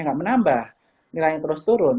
nggak menambah nilainya terus turun